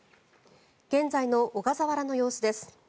現在の小笠原の様子です。